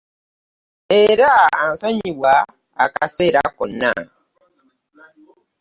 Era asonyiwa akaseera konna.